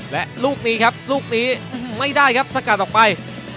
และลูกนี้ครับลูกนี้ไม่ได้ครับสกัดออกไป